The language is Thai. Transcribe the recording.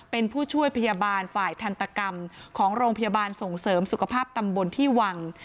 เป็นผู้ช่วยพยาบาลฝ่ายทันตกรรมของโรงพยาบาลส่งเสริมสุขภาพตำบลที่วัง